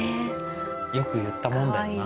よく言ったもんだよな。